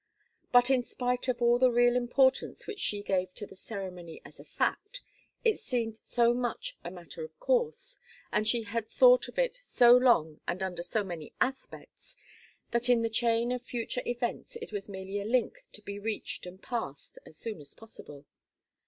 But in spite of all the real importance which she gave to the ceremony as a fact, it seemed so much a matter of course, and she had thought of it so long and under so many aspects, that in the chain of future events it was merely a link to be reached and passed as soon as possible.